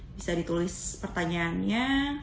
bisa ditulis pertanyaannya